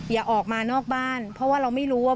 อย่าออกมานอกบ้านเพราะว่าเราไม่รู้ว่า